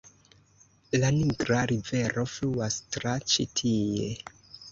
La Nigra rivero fluas tra ĉi tie.